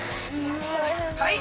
はい！